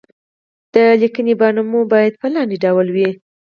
د ليکنې بڼه مو بايد په لاندې ډول وي.